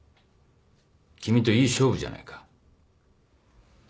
君といい勝負じゃないか